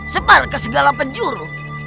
sembar ke segala penjuru